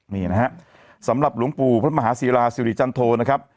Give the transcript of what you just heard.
นี่นะฮะสำหรับหลวงปู่พระมหาศิราสิริจันโทนะครับ